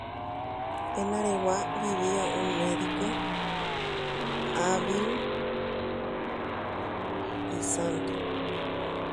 Areguápe niko oikova'ekue peteĩ pohãnohára katupyry ha imarangatúva.